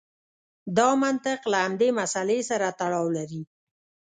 دا منطق له همدې مسئلې سره تړاو لري.